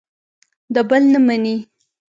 د بل نه مني.